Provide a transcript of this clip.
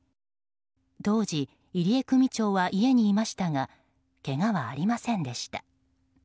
当時、入江組長は家にいましたがけがはありませんでした。